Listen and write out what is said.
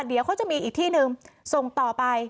เดี๋ยวเขาจะมีอีกที่หนึ่งส่งต่อไป